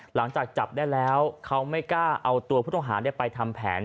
หลังจากจับได้แล้วเขาไม่กล้าเอาตัวผู้ต้องหาไปทำแผน